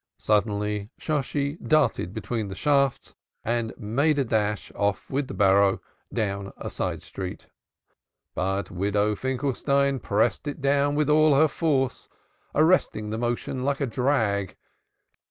Suddenly Shosshi darted between the shafts and made a dash off with the barrow down the side street. But Widow Finkelstein pressed it down with all her force, arresting the motion like a drag.